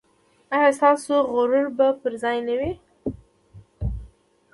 ایا ستاسو غرور به پر ځای نه وي؟